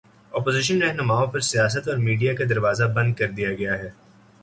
Opposition راہنماؤں پر سیاست اور میڈیا کا دروازہ بند کر دیا گیا ہے۔